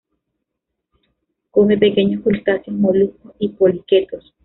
Come pequeños crustáceos, moluscos y poliquetos.